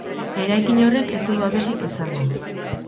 Eraikin horrek ez du babesik izango.